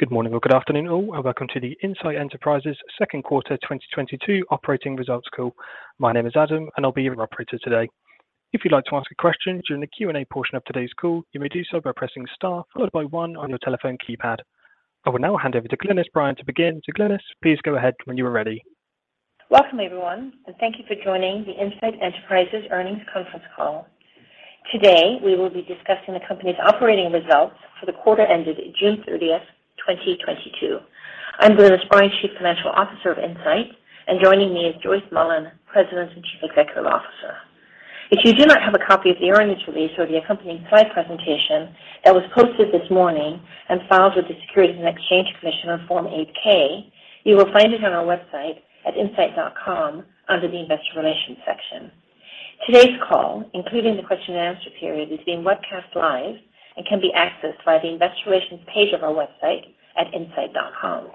Good morning or good afternoon all, and welcome to the Insight Enterprises second quarter 2022 operating results call. My name is Adam, and I'll be your operator today. If you'd like to ask a question during the Q&A portion of today's call, you may do so by pressing star followed by one on your telephone keypad. I will now hand over to Glynis Bryan to begin. Glynis, please go ahead when you are ready. Welcome, everyone, and thank you for joining the Insight Enterprises earnings conference call. Today, we will be discussing the company's operating results for the quarter ended June 30th, 2022. I'm Glynis Bryan, Chief Financial Officer of Insight, and joining me is Joyce Mullen, President and Chief Executive Officer. If you do not have a copy of the earnings release or the accompanying slide presentation that was posted this morning and filed with the Securities and Exchange Commission on Form 8-K, you will find it on our website at insight.com under the Investor Relations section. Today's call, including the question and answer period, is being webcast live and can be accessed via the Investor Relations page of our website at insight.com.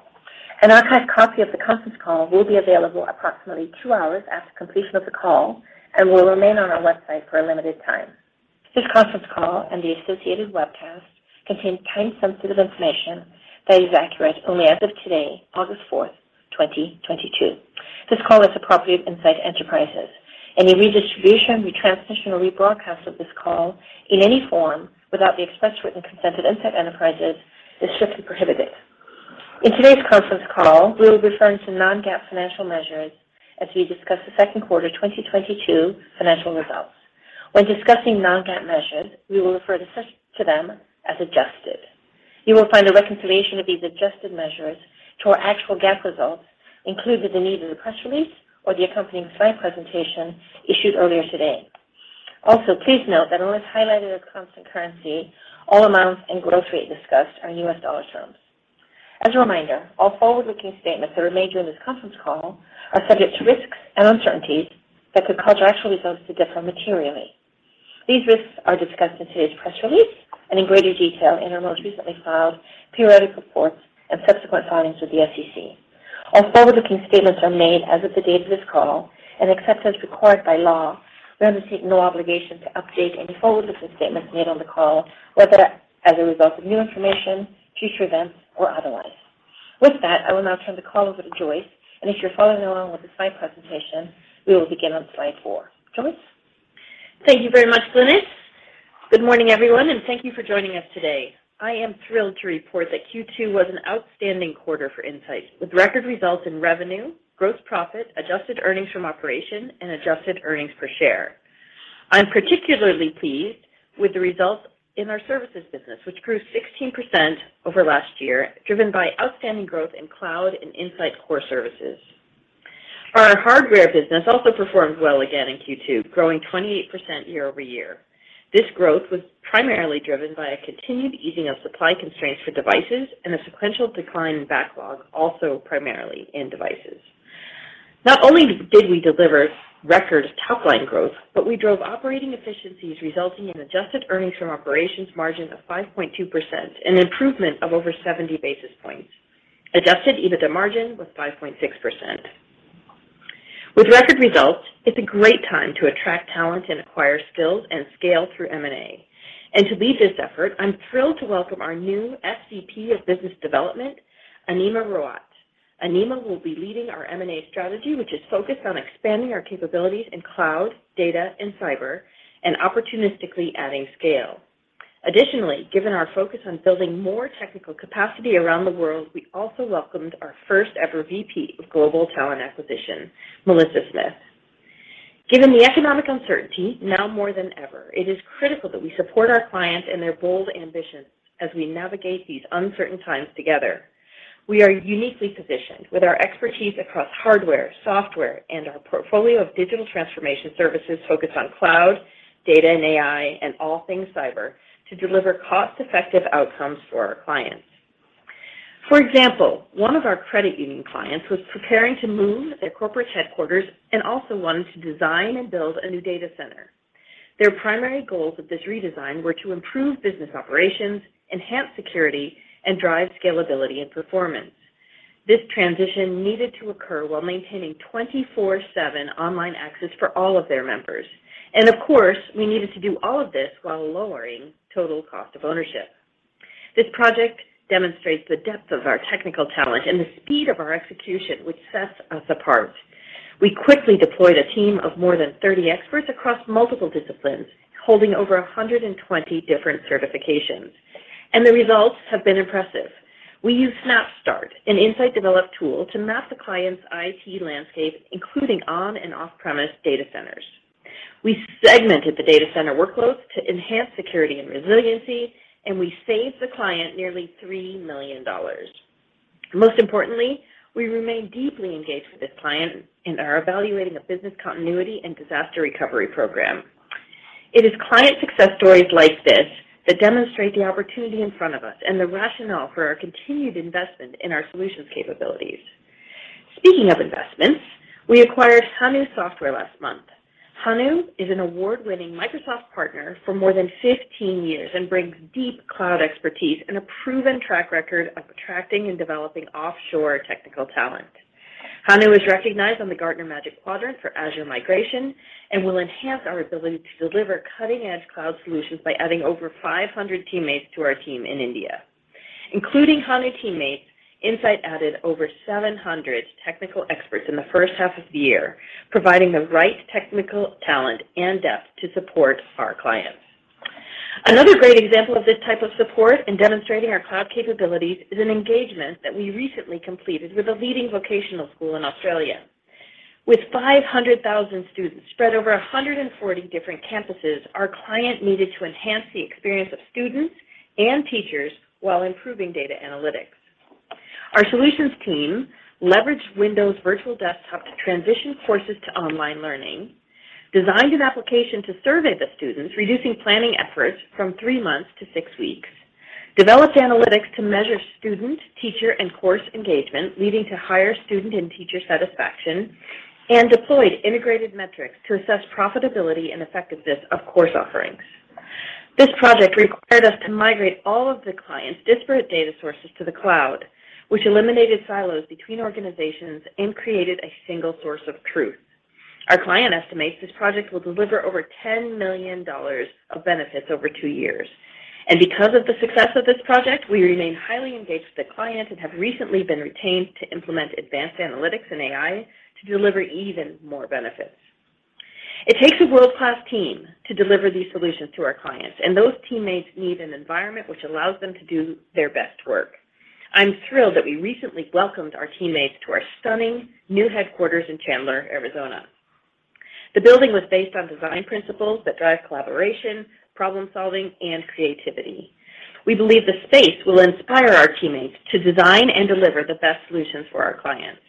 An archived copy of the conference call will be available approximately two hours after completion of the call and will remain on our website for a limited time. This conference call and the associated webcast contain time-sensitive information that is accurate only as of today, August 4th, 2022. This call is the property of Insight Enterprises. Any redistribution, retransmission, or rebroadcast of this call in any form without the express written consent of Insight Enterprises is strictly prohibited. In today's conference call, we will be referring to non-GAAP financial measures as we discuss the second quarter 2022 financial results. When discussing non-GAAP measures, we will refer to them as adjusted. You will find a reconciliation of these adjusted measures to our actual GAAP results included in either the press release or the accompanying slide presentation issued earlier today. Also, please note that unless highlighted as constant currency, all amounts and growth rate discussed are in U.S. dollar terms. As a reminder, all forward-looking statements that are made during this conference call are subject to risks and uncertainties that could cause our actual results to differ materially. These risks are discussed in today's press release and in greater detail in our most recently filed periodic reports and subsequent filings with the SEC. All forward-looking statements are made as of the date of this call, and except as required by law, we undertake no obligation to update any forward-looking statements made on the call, whether as a result of new information, future events, or otherwise. With that, I will now turn the call over to Joyce, and if you're following along with the slide presentation, we will begin on slide four. Joyce? Thank you very much, Glynis. Good morning, everyone, and thank you for joining us today. I am thrilled to report that Q2 was an outstanding quarter for Insight, with record results in revenue, gross profit, adjusted earnings from operations, and adjusted earnings per share. I'm particularly pleased with the results in our services business, which grew 16% over last year, driven by outstanding growth in cloud and Insight core services. Our hardware business also performed well again in Q2, growing 28% year-over-year. This growth was primarily driven by a continued easing of supply constraints for devices and a sequential decline in backlog, also primarily in devices. Not only did we deliver record top-line growth, but we drove operating efficiencies resulting in adjusted earnings from operations margin of 5.2%, an improvement of over 70 basis points. Adjusted EBITDA margin was 5.6%. With record results, it's a great time to attract talent and acquire skills and scale through M&A. To lead this effort, I'm thrilled to welcome our new SVP of Business Development, Aneema Rawat. Aneema will be leading our M&A strategy, which is focused on expanding our capabilities in cloud, data, and cyber, and opportunistically adding scale. Additionally, given our focus on building more technical capacity around the world, we also welcomed our first-ever VP of Global Talent Acquisition, Melissa Smith. Given the economic uncertainty, now more than ever, it is critical that we support our clients and their bold ambitions as we navigate these uncertain times together. We are uniquely positioned with our expertise across hardware, software, and our portfolio of digital transformation services focused on cloud, data and AI, and all things cyber to deliver cost-effective outcomes for our clients. For example, one of our credit union clients was preparing to move their corporate headquarters and also wanted to design and build a new data center. Their primary goals of this redesign were to improve business operations, enhance security, and drive scalability and performance. This transition needed to occur while maintaining 24/7 online access for all of their members. Of course, we needed to do all of this while lowering total cost of ownership. This project demonstrates the depth of our technical talent and the speed of our execution, which sets us apart. We quickly deployed a team of more than 30 experts across multiple disciplines, holding over 120 different certifications, and the results have been impressive. We used SnapStart, an Insight-developed tool, to map the client's IT landscape, including on- and off-premise data centers. We segmented the data center workloads to enhance security and resiliency, and we saved the client nearly $3 million. Most importantly, we remain deeply engaged with this client and are evaluating a business continuity and disaster recovery program. It is client success stories like this that demonstrate the opportunity in front of us and the rationale for our continued investment in our solutions capabilities. Speaking of investments, we acquired Hanu Software last month. Hanu is an award-winning Microsoft partner for more than 15 years and brings deep cloud expertise and a proven track record of attracting and developing offshore technical talent. Hanu is recognized on the Gartner Magic Quadrant for Azure migration and will enhance our ability to deliver cutting-edge cloud solutions by adding over 500 teammates to our team in India. Including Hanu teammates, Insight added over 700 technical experts in the first half of the year, providing the right technical talent and depth to support our clients. Another great example of this type of support in demonstrating our cloud capabilities is an engagement that we recently completed with a leading vocational school in Australia. With 500,000 students spread over 140 different campuses, our client needed to enhance the experience of students and teachers while improving data analytics. Our solutions team leveraged Azure Virtual Desktop to transition courses to online learning, designed an application to survey the students, reducing planning efforts from three months to six weeks, developed analytics to measure student teacher and course engagement, leading to higher student and teacher satisfaction, and deployed integrated metrics to assess profitability and effectiveness of course offerings. This project required us to migrate all of the client's disparate data sources to the cloud, which eliminated silos between organizations and created a single source of truth. Our client estimates this project will deliver over $10 million of benefits over two years. Because of the success of this project, we remain highly engaged with the client and have recently been retained to implement advanced analytics and AI to deliver even more benefits. It takes a world-class team to deliver these solutions to our clients, and those teammates need an environment which allows them to do their best work. I'm thrilled that we recently welcomed our teammates to our stunning new headquarters in Chandler, Arizona. The building was based on design principles that drive collaboration, problem-solving, and creativity. We believe the space will inspire our teammates to design and deliver the best solutions for our clients.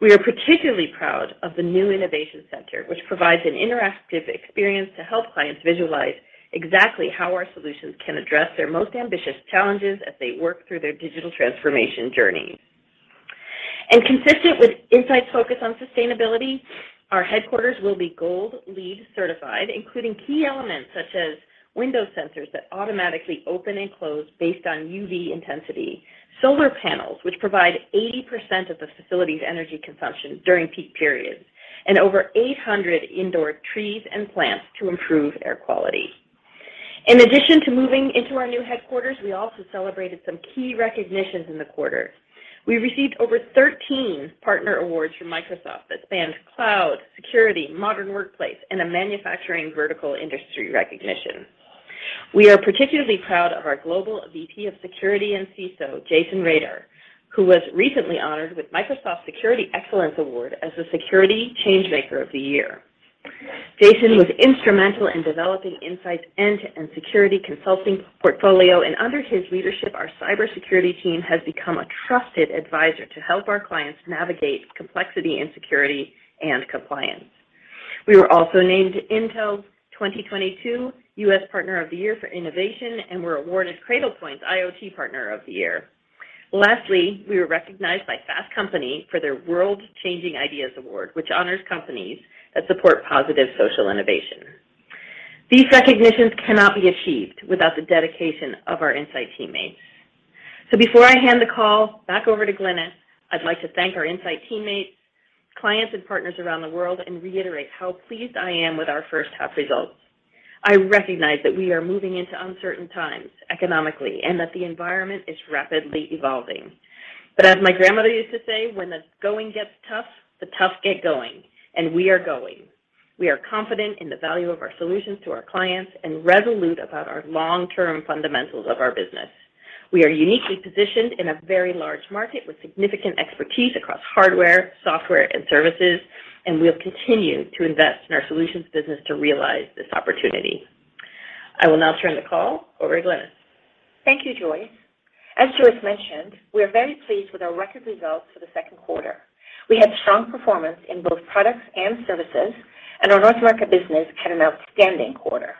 We are particularly proud of the new innovation center, which provides an interactive experience to help clients visualize exactly how our solutions can address their most ambitious challenges as they work through their digital transformation journey. Consistent with Insight's focus on sustainability, our headquarters will be gold LEED certified, including key elements such as window sensors that automatically open and close based on UV intensity, solar panels which provide 80% of the facility's energy consumption during peak periods, and over 800 indoor trees and plants to improve air quality. In addition to moving into our new headquarters, we also celebrated some key recognitions in the quarter. We received over 13 partner awards from Microsoft that spanned cloud, security, modern workplace, and a manufacturing vertical industry recognition. We are particularly proud of our Global VP of Security and CISO, Jason Rader, who was recently honored with Microsoft Security Excellence Award as the Security Changemaker of the Year. Jason was instrumental in developing Insight's end-to-end security consulting portfolio, and under his leadership, our cybersecurity team has become a trusted advisor to help our clients navigate complexity in security and compliance. We were also named Intel's 2022 U.S. Partner of the Year for Innovation and were awarded Cradlepoint's IoT Partner of the Year. Lastly, we were recognized by Fast Company for their World-Changing Ideas Award, which honors companies that support positive social innovation. These recognitions cannot be achieved without the dedication of our Insight teammates. Before I hand the call back over to Glynis Bryan, I'd like to thank our Insight teammates, clients, and partners around the world and reiterate how pleased I am with our first half results. I recognize that we are moving into uncertain times economically and that the environment is rapidly evolving. As my grandmother used to say, "When the going gets tough, the tough get going," and we are going. We are confident in the value of our solutions to our clients and resolute about our long-term fundamentals of our business. We are uniquely positioned in a very large market with significant expertise across hardware, software, and services, and we'll continue to invest in our solutions business to realize this opportunity. I will now turn the call over to Glynis. Thank you, Joyce. As Joyce mentioned, we are very pleased with our record results for the second quarter. We had strong performance in both products and services, and our North America business had an outstanding quarter.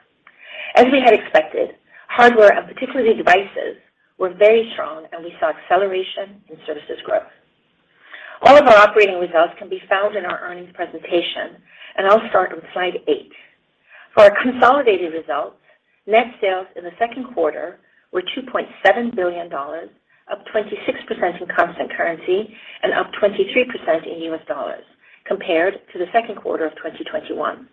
As we had expected, hardware, and particularly devices, were very strong, and we saw acceleration in services growth. All of our operating results can be found in our earnings presentation, and I'll start on slide eight. For our consolidated results, net sales in the second quarter were $2.7 billion, up 26% in constant currency and up 23% in U.S. dollars compared to the second quarter of 2021.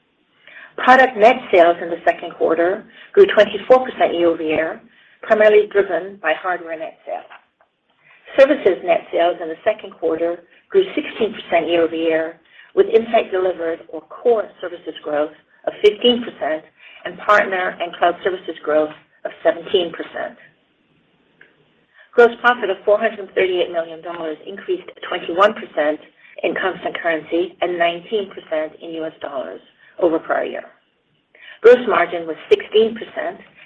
Product net sales in the second quarter grew 24% year-over-year, primarily driven by hardware net sales. Services net sales in the second quarter grew 16% year-over-year, with Insight-delivered or core services growth of 15% and partner and cloud services growth of 17%. Gross profit of $438 million increased 21% in constant currency and 19% in U.S. dollars over prior year. Gross margin was 16%,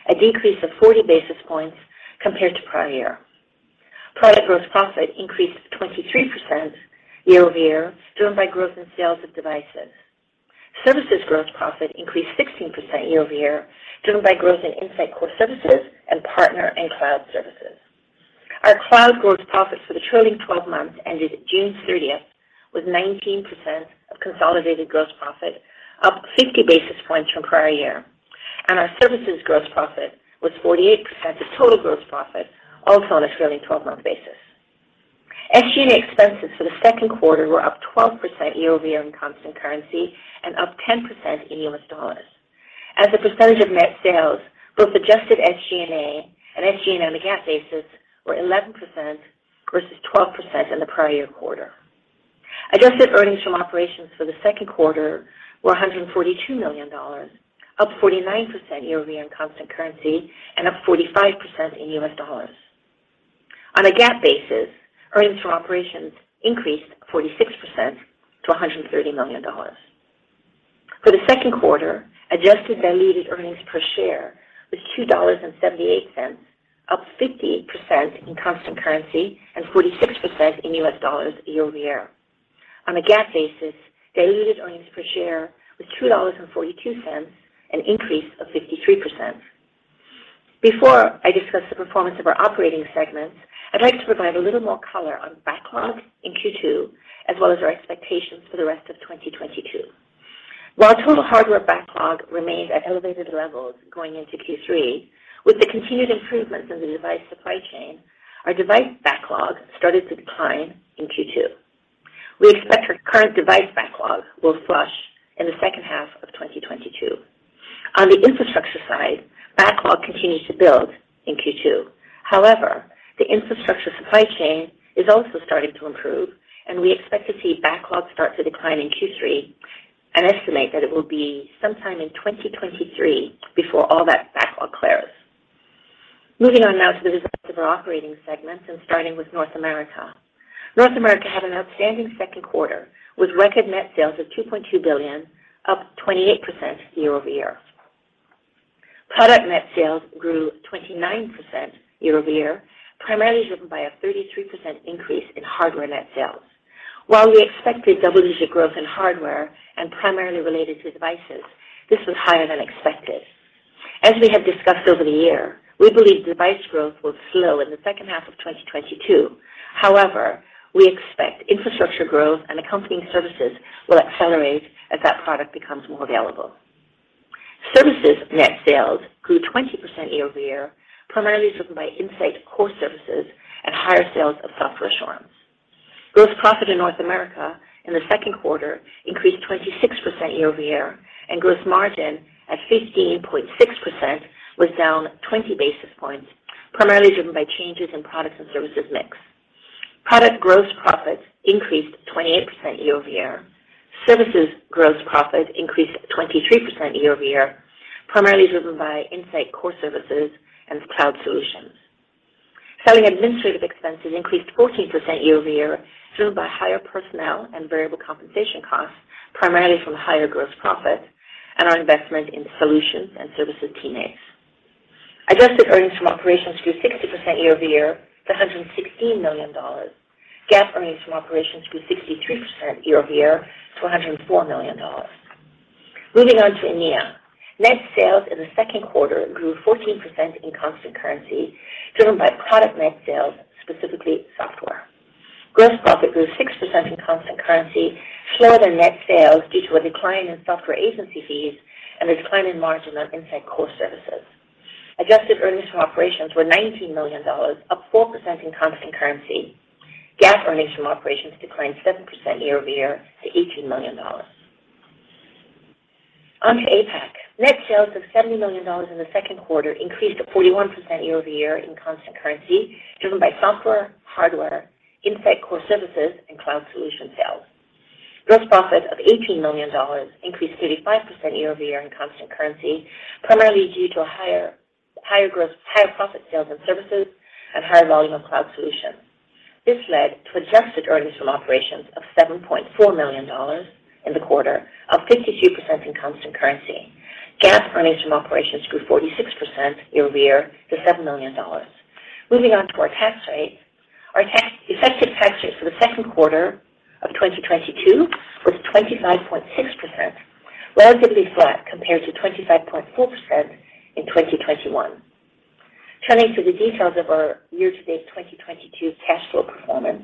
a decrease of 40 basis points compared to prior year. Product gross profit increased 23% year-over-year, driven by growth in sales of devices. Services gross profit increased 16% year-over-year, driven by growth in Insight core services and partner and cloud services. Our cloud gross profits for the trailing 12 months ended June 30th was 19% of consolidated gross profit, up 50 basis points from prior year. Our services gross profit was 48% of total gross profit, also on a trailing 12 month basis. SG&A expenses for the second quarter were up 12% year-over-year in constant currency and up 10% in U.S. dollars. As a percentage of net sales, both adjusted SG&A and SG&A on the GAAP basis were 11% vs. 12% in the prior year quarter. Adjusted earnings from operations for the second quarter were $142 million, up 49% year-over-year in constant currency and up 45% in U.S. dollars. On a GAAP basis, earnings from operations increased 46% to $130 million. For the second quarter, adjusted diluted earnings per share was $2.78, up 58% in constant currency and 46% in U.S. dollars year-over-year. On a GAAP basis, diluted earnings per share was $2.42, an increase of 53%. Before I discuss the performance of our operating segments, I'd like to provide a little more color on backlog in Q2 as well as our expectations for the rest of 2022. While total hardware backlog remained at elevated levels going into Q3, with the continued improvements in the device supply chain, our device backlog started to decline in Q2. We expect our current device backlog will flush in the second half of 2022. On the infrastructure side, backlog continued to build in Q2. However, the infrastructure supply chain is also starting to improve, and we expect to see backlog start to decline in Q3 and estimate that it will be sometime in 2023 before all that backlog clears. Moving on now to the results of our operating segments and starting with North America. North America had an outstanding second quarter with record net sales of $2.2 billion, up 28% year-over-year. Product net sales grew 29% year-over-year, primarily driven by a 33% increase in hardware net sales. While we expected double-digit growth in hardware and primarily related to devices, this was higher than expected. As we have discussed over the year, we believe device growth will slow in the second half of 2022. However, we expect infrastructure growth and accompanying services will accelerate as that product becomes more available. Services net sales grew 20% year-over-year, primarily driven by Insight core services and higher sales of software assurance. Gross profit in North America in the second quarter increased 26% year-over-year, and gross margin at 15.6% was down 20 basis points, primarily driven by changes in products and services mix. Product gross profits increased 28% year-over-year. Services gross profit increased 23% year-over-year, primarily driven by Insight core services and cloud solutions. Selling, general and administrative expenses increased 14% year-over-year, driven by higher personnel and variable compensation costs, primarily from higher gross profits and our investment in solutions and services teammates. Adjusted earnings from operations grew 60% year-over-year to $116 million. GAAP earnings from operations grew 63% year-over-year to $104 million. Moving on to EMEA. Net sales in the second quarter grew 14% in constant currency, driven by product net sales, specifically software. Gross profit grew 6% in constant currency, slower than net sales due to a decline in software agency fees and a decline in margin on Insight core services. Adjusted earnings from operations were $19 million, up 4% in constant currency. GAAP earnings from operations declined 7% year-over-year to $18 million. On to APAC. Net sales of $70 million in the second quarter increased 41% year-over-year in constant currency, driven by software, hardware, Insight core services, and cloud solution sales. Gross profit of $18 million increased 35% year-over-year in constant currency, primarily due to higher gross profit sales and services and higher volume of cloud solutions. This led to adjusted earnings from operations of $7.4 million in the quarter, up 52% in constant currency. GAAP earnings from operations grew 46% year-over-year to $7 million. Moving on to our tax rate. Our tax-effective tax rate for the second quarter of 2022 was 25.6%, relatively flat compared to 25.4% in 2021. Turning to the details of our year to date 2022 cash flow performance.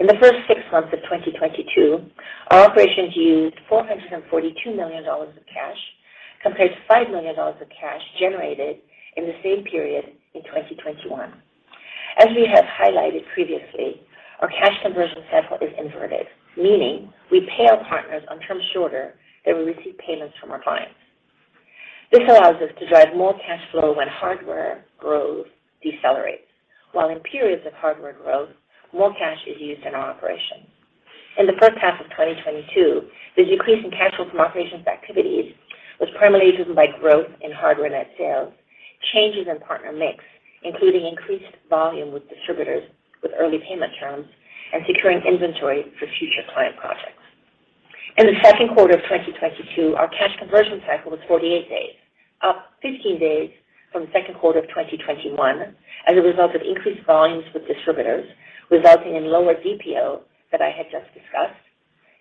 In the first six months of 2022, our operations used $442 million of cash compared to $5 million of cash generated in the same period in 2021. As we have highlighted previously, our cash conversion cycle is inverted, meaning we pay our partners on terms shorter than we receive payments from our clients. This allows us to drive more cash flow when hardware growth decelerates, while in periods of hardware growth, more cash is used in our operations. In the first half of 2022, the decrease in cash flow from operations activities was primarily driven by growth in hardware net sales, changes in partner mix, including increased volume with distributors with early payment terms, and securing inventory for future client projects. In the second quarter of 2022, our cash conversion cycle was 48 days, up 15 days from the second quarter of 2021 as a result of increased volumes with distributors, resulting in lower DPO that I had just discussed,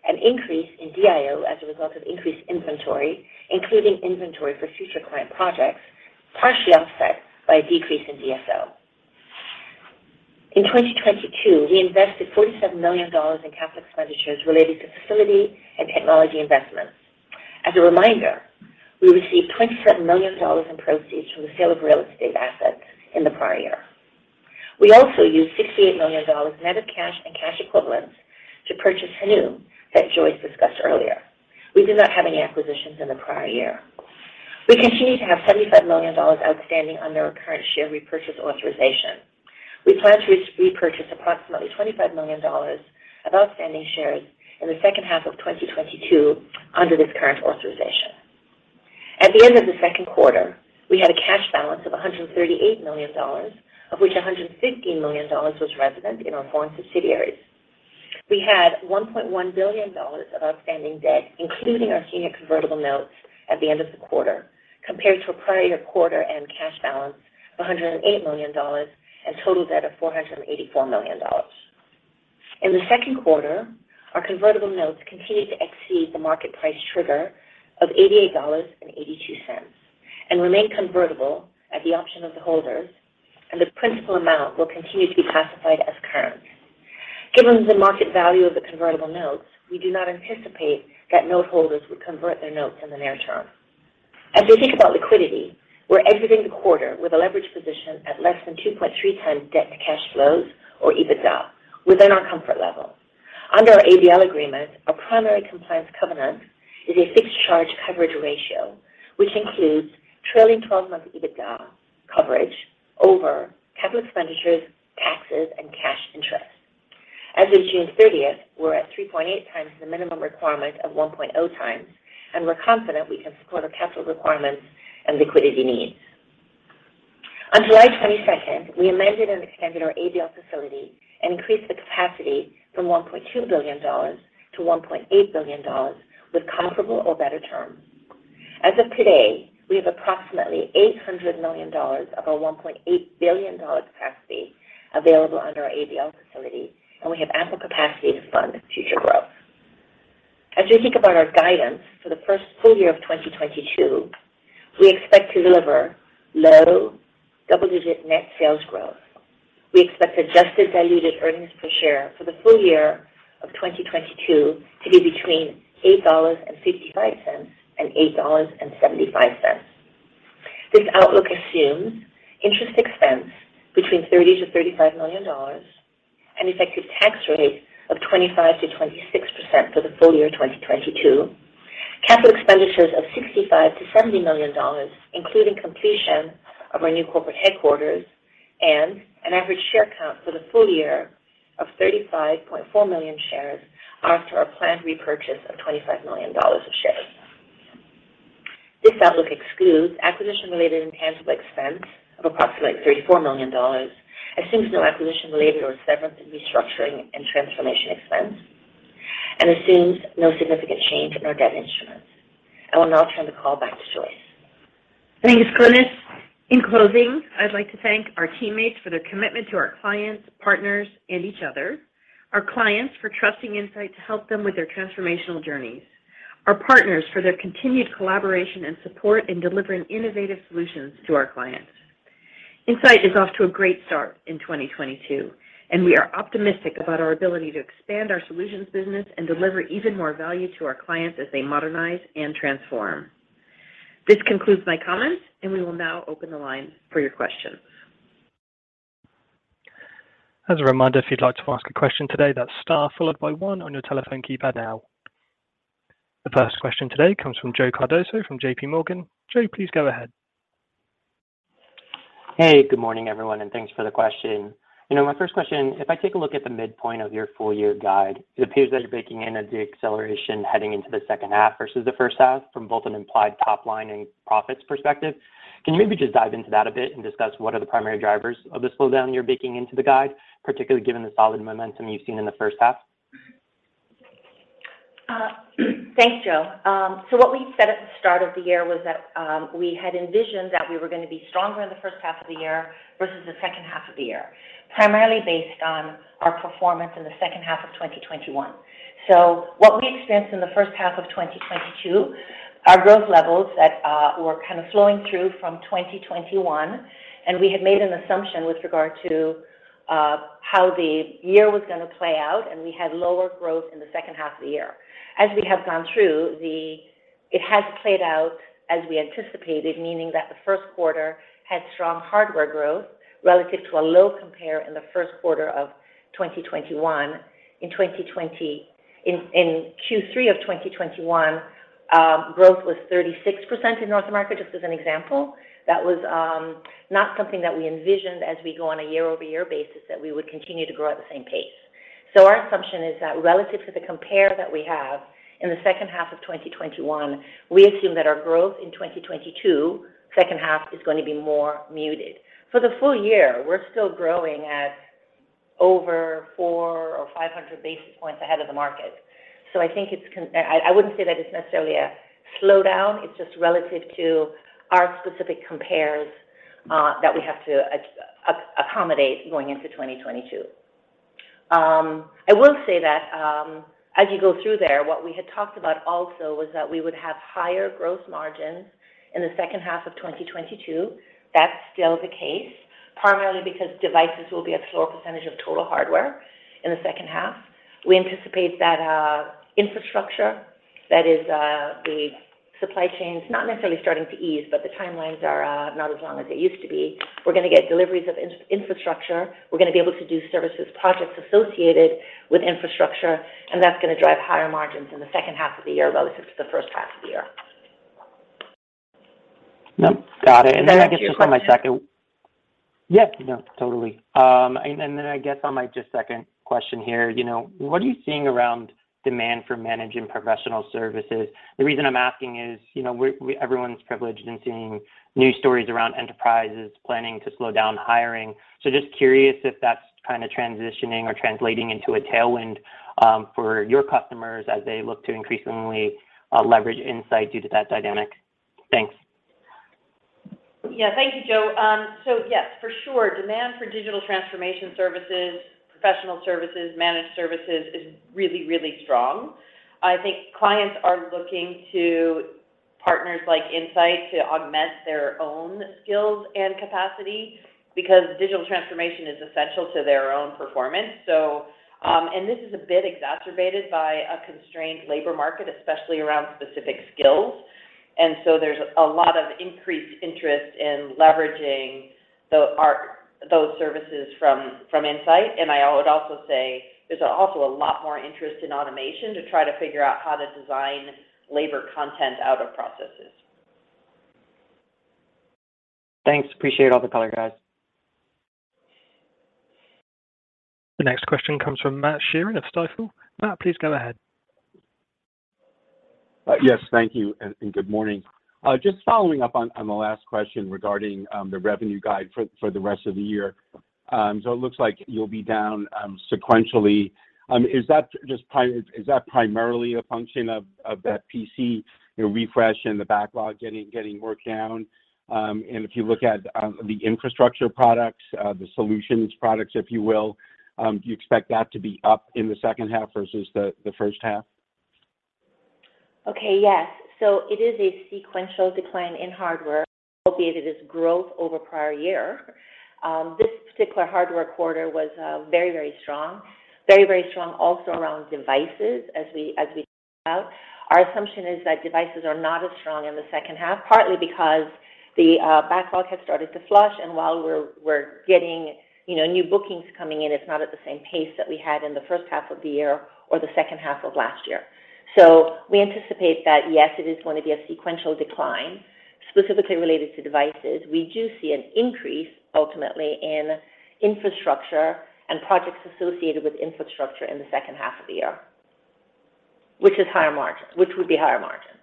an increase in DIO as a result of increased inventory, including inventory for future client projects, partially offset by a decrease in DSO. In 2022, we invested $47 million in capital expenditures related to facility and technology investments. As a reminder, we received $27 million in proceeds from the sale of real estate assets in the prior year. We also used $68 million net of cash and cash equivalents to purchase Hanu that Joyce discussed earlier. We did not have any acquisitions in the prior year. We continue to have $75 million outstanding under our current share repurchase authorization. We plan to repurchase approximately $25 million of outstanding shares in the second half of 2022 under this current authorization. At the end of the second quarter, we had a cash balance of $138 million, of which $115 million was resident in our foreign subsidiaries. We had $1.1 billion of outstanding debt, including our senior convertible notes at the end of the quarter, compared to a prior quarter and cash balance of $108 million, and total debt of $484 million. In the second quarter, our convertible notes continued to exceed the market price trigger of $88.82, and remain convertible at the option of the holders, and the principal amount will continue to be classified as current. Given the market value of the convertible notes, we do not anticipate that note holders would convert their notes in the near term. As we think about liquidity, we're exiting the quarter with a leverage position at less than 2.3x debt to cash flows or EBITDA within our comfort level. Under our ABL agreement, our primary compliance covenant is a fixed charge coverage ratio, which includes trailing 12 month EBITDA coverage over capital expenditures, taxes, and cash interest. As of June 30th, we're at 3.8 times the minimum requirement of 1.0 times, and we're confident we can support our capital requirements and liquidity needs. On July 22nd, we amended and extended our ABL facility and increased the capacity from $1.2 billion to $1.8 billion with comparable or better terms. As of today, we have approximately $800 million of our $1.8 billion capacity available under our ABL facility, and we have ample capacity to fund future growth. As we think about our guidance for the first full year of 2022, we expect to deliver low double-digit net sales growth. We expect adjusted diluted earnings per share for the full year of 2022 to be between $8.55 and $8.75. This outlook assumes interest expense between $30-$35 million, an effective tax rate of 25%-26% for the full year of 2022, capital expenditures of $65 million-$70 million, including completion of our new corporate headquarters, and an average share count for the full year of 35.4 million shares after our planned repurchase of $25 million of shares. This outlook excludes acquisition-related intangible expense of approximately $34 million, assumes no acquisition-related or severance and restructuring and transformation expense, and assumes no significant change in our debt instruments. I will now turn the call back to Joyce. Thanks, Glynis. In closing, I'd like to thank our teammates for their commitment to our clients, partners, and each other, our clients for trusting Insight to help them with their transformational journeys, our partners for their continued collaboration and support in delivering innovative solutions to our clients. Insight is off to a great start in 2022, and we are optimistic about our ability to expand our solutions business and deliver even more value to our clients as they modernize and transform. This concludes my comments, and we will now open the line for your questions. As a reminder, if you'd like to ask a question today, that's star followed by one on your telephone keypad now. The first question today comes from Joe Cardoso from JPMorgan. Joe, please go ahead. Hey, good morning, everyone, and thanks for the question. You know, my first question, if I take a look at the midpoint of your full year guide, it appears that you're baking in a deceleration heading into the second half vs. the first half from both an implied top line and profits perspective. Can you maybe just dive into that a bit and discuss what are the primary drivers of the slowdown you're baking into the guide, particularly given the solid momentum you've seen in the first half? Thanks, Joe. What we said at the start of the year was that we had envisioned that we were gonna be stronger in the first half of the year vs. the second half of the year, primarily based on our performance in the second half of 2021. What we experienced in the first half of 2022 are growth levels that were kind of flowing through from 2021, and we had made an assumption with regard to how the year was gonna play out, and we had lower growth in the second half of the year. As we have gone through it has played out as we anticipated, meaning that the first quarter had strong hardware growth relative to a low comp in the first quarter of 2021. In Q3 of 2021, growth was 36% in North America, just as an example. That was not something that we envisioned as we go on a year-over-year basis that we would continue to grow at the same pace. Our assumption is that relative to the compare that we have in the second half of 2021, we assume that our growth in 2022 second half is going to be more muted. For the full year, we're still growing at over 400 or 500 basis points ahead of the market. I wouldn't say that it's necessarily a slowdown. It's just relative to our specific compares that we have to accommodate going into 2022. I will say that as you go through there, what we had talked about also was that we would have higher gross margins in the second half of 2022. That's still the case, primarily because devices will be a lower percentage of total hardware in the second half. We anticipate that infrastructure, that is, the supply chains, not necessarily starting to ease, but the timelines are not as long as they used to be. We're gonna get deliveries of infrastructure. We're gonna be able to do services projects associated with infrastructure, and that's gonna drive higher margins in the second half of the year relative to the first half of the year. No, got it. I guess for my second. Is that helpful? Yeah. No, totally. I guess on my just second question here, you know, what are you seeing around demand for managing professional services? The reason I'm asking is, you know, everyone's privileged in seeing news stories around enterprises planning to slow down hiring. Just curious if that's kind of transitioning or translating into a tailwind for your customers as they look to increasingly leverage Insight due to that dynamic. Thanks. Yeah. Thank you, Joe. Yes, for sure. Demand for digital transformation services, professional services, managed services is really, really strong. I think clients are looking to partners like Insight to augment their own skills and capacity because digital transformation is essential to their own performance. This is a bit exacerbated by a constrained labor market, especially around specific skills. There's a lot of increased interest in leveraging those services from Insight. I would also say there's also a lot more interest in automation to try to figure out how to design labor content out of processes. Thanks. Appreciate all the color, guys. The next question comes from Matthew Sheerin of Stifel. Matt, please go ahead. Yes. Thank you and good morning. Just following up on the last question regarding the revenue guide for the rest of the year. It looks like you'll be down sequentially. Is that primarily a function of that PC, you know, refresh and the backlog getting worked down? If you look at the infrastructure products, the solutions products, if you will, do you expect that to be up in the second half vs. the first half? Okay. Yes. It is a sequential decline in hardware associated with growth over prior year. This particular hardware quarter was very, very strong. Very, very strong also around devices as we talked about. Our assumption is that devices are not as strong in the second half, partly because the backlog has started to flush. While we're getting, you know, new bookings coming in, it's not at the same pace that we had in the first half of the year or the second half of last year. We anticipate that, yes, it is going to be a sequential decline specifically related to devices. We do see an increase ultimately in infrastructure and projects associated with infrastructure in the second half of the year, which would be higher margins.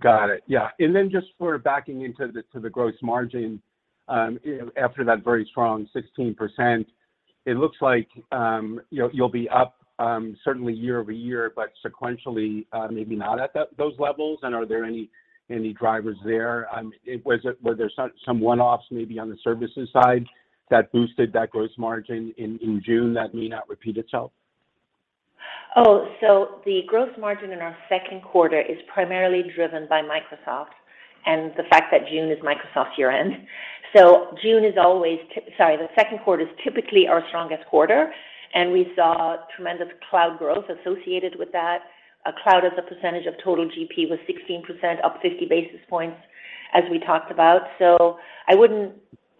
Got it. Yeah. Then just sort of backing into the gross margin after that very strong 16%, it looks like you know you'll be up certainly year-over-year, but sequentially maybe not at those levels. Are there any drivers there? Were there some one offs maybe on the services side that boosted that gross margin in June that may not repeat itself? The gross margin in our second quarter is primarily driven by Microsoft and the fact that June is Microsoft year-end. Sorry, the second quarter is typically our strongest quarter, and we saw tremendous cloud growth associated with that. Cloud as a percentage of total GP was 16%, up 50 basis points as we talked about. I wouldn't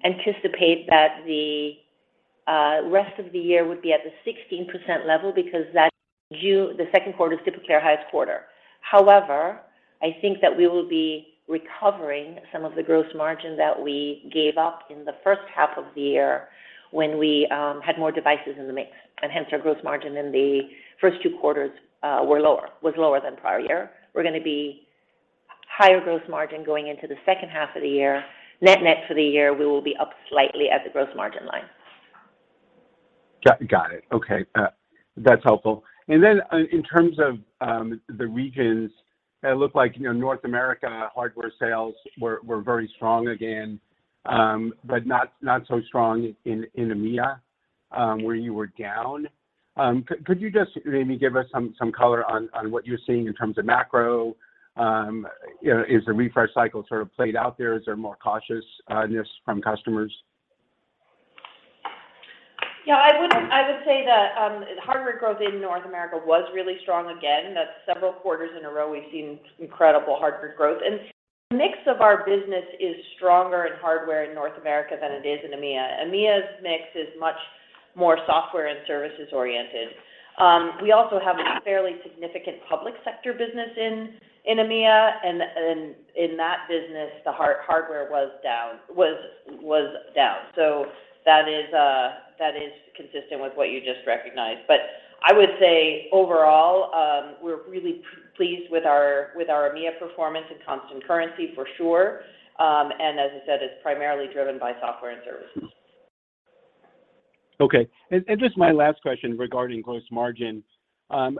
anticipate that the rest of the year would be at the 16% level because that June, the second quarter is typically our highest quarter. However, I think that we will be recovering some of the gross margin that we gave up in the first half of the year when we had more devices in the mix, and hence our gross margin in the first two quarters was lower than prior year. We're gonna be higher gross margin going into the second half of the year. Net net for the year, we will be up slightly at the gross margin line. Got it. Okay. That's helpful. In terms of the regions, it looked like, you know, North America hardware sales were very strong again, but not so strong in EMEA, where you were down. Could you just maybe give us some color on what you're seeing in terms of macro? You know, is the refresh cycle sort of played out there? Is there more cautiousness from customers? Yeah. I would say that hardware growth in North America was really strong again. That's several quarters in a row we've seen incredible hardware growth. The mix of our business is stronger in hardware in North America than it is in EMEA. EMEA's mix is much more software and services oriented. We also have a fairly significant public sector business in EMEA and in that business the hardware was down. That is consistent with what you just recognized. I would say overall, we're really pleased with our EMEA performance in constant currency for sure. As I said, it's primarily driven by software and services. Okay. Just my last question regarding gross margin, On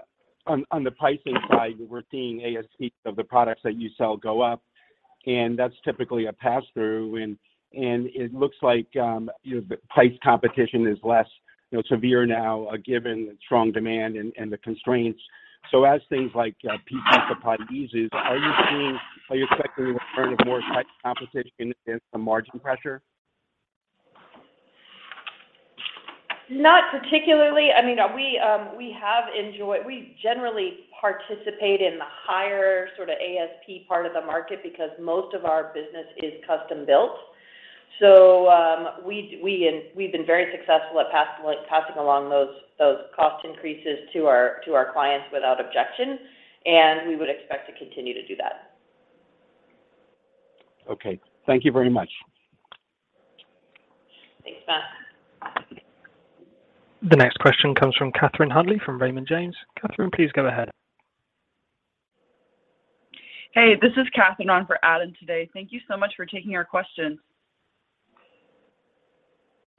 the pricing side, we're seeing ASP of the products that you sell go up, and that's typically a pass-through. It looks like, you know, the price competition is less, you know, severe now, given the strong demand and the constraints. As things like peak PC production eases, are you expecting a return of more tight competition and some margin pressure? Not particularly. I mean, we have enjoyed. We generally participate in the higher sorta ASP part of the market because most of our business is custom built. So, we've been very successful at passing along those cost increases to our clients without objection, and we would expect to continue to do that. Okay. Thank you very much. Thanks, Matt. The next question comes from Adam Tindle from Raymond James. Adam, please go ahead. Hey, this is Catherine on for Adam today. Thank you so much for taking our questions.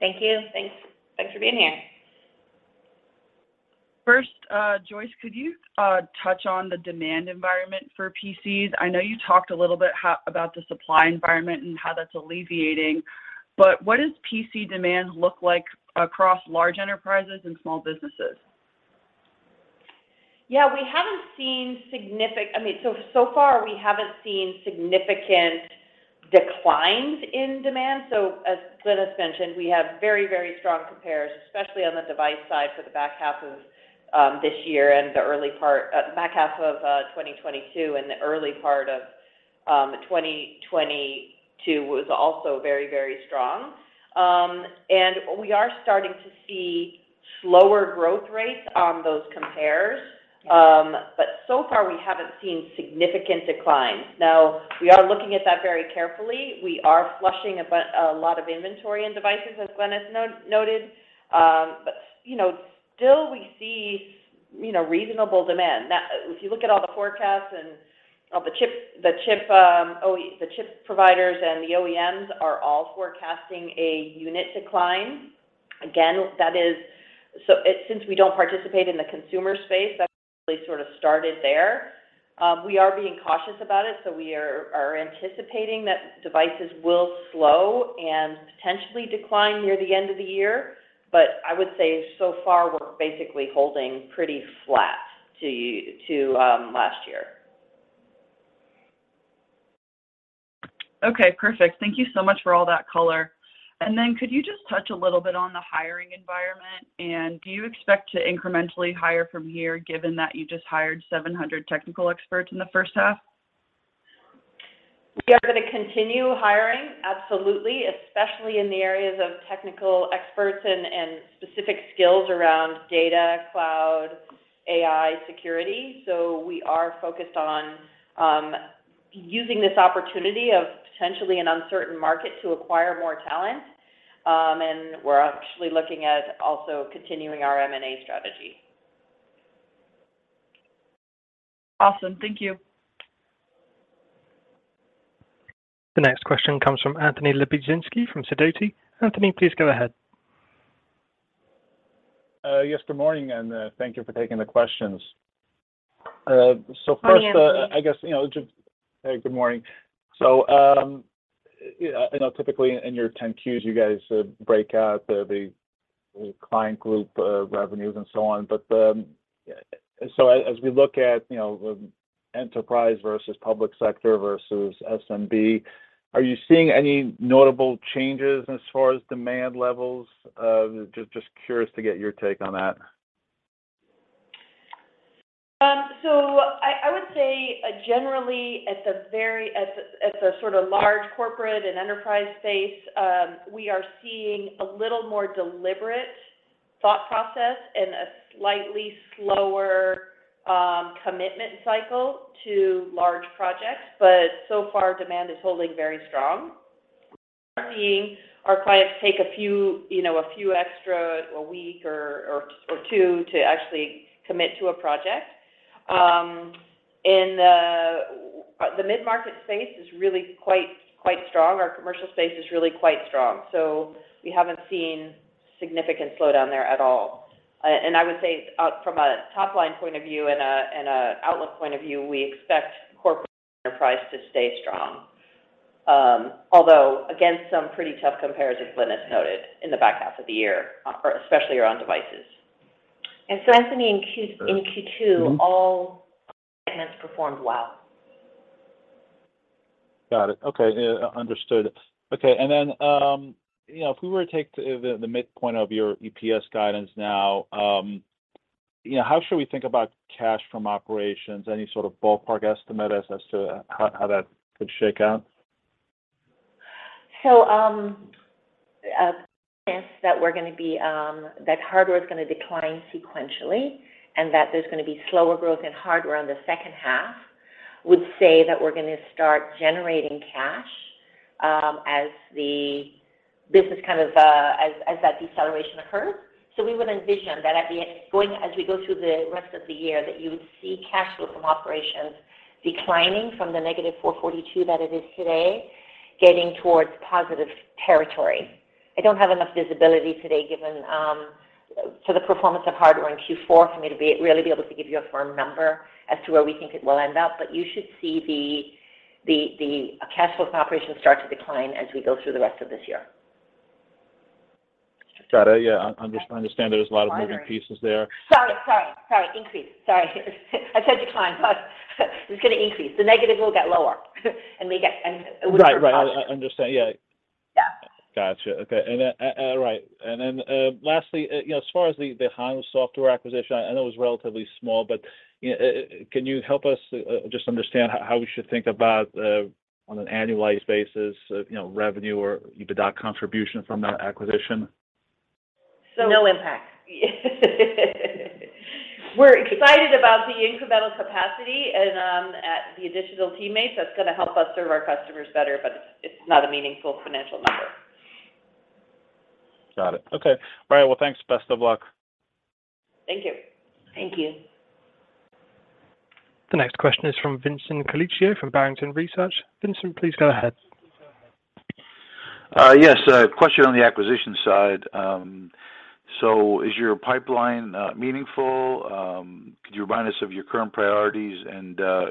Thank you. Thanks for being here. First, Joyce, could you touch on the demand environment for PCs? I know you talked a little bit about the supply environment and how that's alleviating, but what does PC demand look like across large enterprises and small businesses? Yeah. We haven't seen significant declines in demand. I mean, so far we haven't seen significant declines in demand. As Glynis's mentioned, we have very, very strong compares, especially on the device side for the back half of this year and the early part of 2022, and the early part of 2022 was also very, very strong. We are starting to see slower growth rates on those compares. We haven't seen significant declines. We are looking at that very carefully. We are flushing a lot of inventory and devices, as Glynis's noted. You know, still we see reasonable demand. If you look at all the forecasts and all the chip providers and the OEMs are all forecasting a unit decline. Since we don't participate in the consumer space, that's really sort of started there. We are being cautious about it, so we are anticipating that devices will slow and potentially decline near the end of the year. I would say so far we're basically holding pretty flat to last year. Okay, perfect. Thank you so much for all that color. Could you just touch a little bit on the hiring environment, and do you expect to incrementally hire from here given that you just hired 700 technical experts in the first half? We are gonna continue hiring, absolutely, especially in the areas of technical experts and specific skills around data, cloud, AI, security. We are focused on using this opportunity of potentially an uncertain market to acquire more talent. We're actually looking at also continuing our M&A strategy. Awesome. Thank you. The next question comes from Anthony Lebiedzinski from Sidoti. Anthony, please go ahead. Yes, good morning, and thank you for taking the questions. First. Hi, Anthony. Hey, good morning. You know, typically in your 10-Qs you guys break out the client group revenues and so on. As we look at, you know, enterprise vs. public sector vs. SMB, are you seeing any notable changes as far as demand levels? Just curious to get your take on that. I would say generally at the sort of large corporate and enterprise space, we are seeing a little more deliberate thought process and a slightly slower commitment cycle to large projects. So far demand is holding very strong. We are seeing our clients take a few, you know, a few extra week or two to actually commit to a project. In the mid-market space is really quite strong. Our commercial space is really quite strong, so we haven't seen significant slowdown there at all. I would say from a top-line point of view and a outlook point of view, we expect corporate enterprise to stay strong. Although against some pretty tough comparison, as Glynis's noted, in the back half of the year, or especially around devices. Anthony, in Q2 Mm-hmm All segments performed well. Got it. Okay. Yeah, understood. Okay. You know, if we were to take the midpoint of your EPS guidance now, you know, how should we think about cash from operations? Any sort of ballpark estimate as to how that could shake out? That hardware is gonna decline sequentially, and that there's gonna be slower growth in hardware in the second half, would say that we're gonna start generating cash, as the business kind of, as that deceleration occurs. We would envision that as we go through the rest of the year, that you would see cash flow from operations declining from the negative $442 that it is today. Getting towards positive territory. I don't have enough visibility today given to the performance of hardware in Q4 for me to really be able to give you a firm number as to where we think it will end up. You should see the cash flow from operations start to decline as we go through the rest of this year. Got it. Yeah, I understand there's a lot of moving pieces there. Sorry. Increase. Sorry. I said decline, but it's gonna increase. The negative will get lower and we get. Right. I understand. Yeah. Yeah. Gotcha. Okay. All right. Then, lastly, you know, as far as the Hanu Software acquisition, I know it was relatively small. But can you help us just understand how we should think about the on an annualized basis, you know, revenue or EBITDA contribution from that acquisition? So. No impact. We're excited about the incremental capacity and at the additional teammates that's gonna help us serve our customers better, but it's not a meaningful financial number. Got it. Okay. All right. Well, thanks. Best of luck. Thank you. Thank you. The next question is from Vincent Colicchio from Barrington Research. Vincent, please go ahead. Yes. A question on the acquisition side. Is your pipeline meaningful? Could you remind us of your current priorities?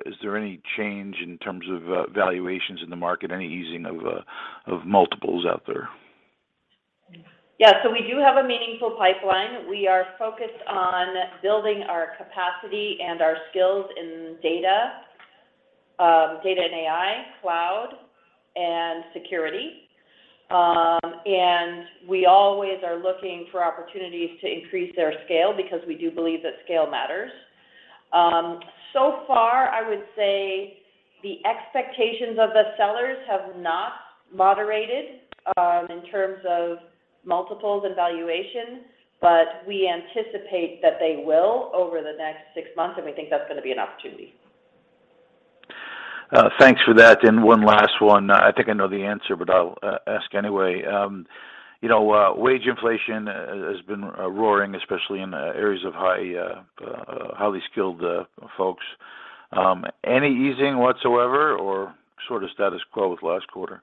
Is there any change in terms of valuations in the market? Any easing of multiples out there? Yeah. We do have a meaningful pipeline. We are focused on building our capacity and our skills in data and AI, cloud and security. We always are looking for opportunities to increase their scale because we do believe that scale matters. So far, I would say the expectations of the sellers have not moderated in terms of multiples and valuations. We anticipate that they will over the next six months, and we think that's gonna be an opportunity. Thanks for that. One last one. I think I know the answer, but I'll ask anyway. You know, wage inflation has been roaring, especially in highly skilled folks. Any easing whatsoever or sort of status quo with last quarter?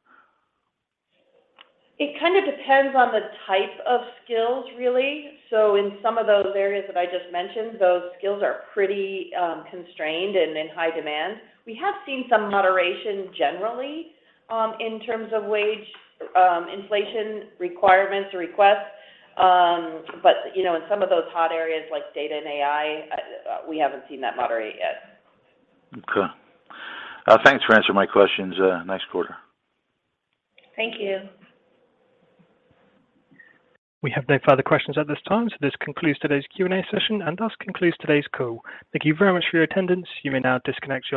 It kind of depends on the type of skills really. In some of those areas that I just mentioned, those skills are pretty constrained and in high demand. We have seen some moderation generally in terms of wage inflation requirements or requests. You know, in some of those hot areas like data and AI, we haven't seen that moderate yet. Okay. Thanks for answering my questions. Nice quarter. Thank you. We have no further questions at this time, so this concludes today's Q&A session and thus concludes today's call. Thank you very much for your attendance. You may now disconnect your.